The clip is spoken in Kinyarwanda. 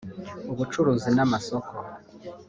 ubucuruzi n’amasoko